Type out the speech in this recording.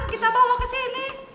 kita bawa kesini